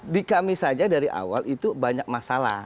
di kami saja dari awal itu banyak masalah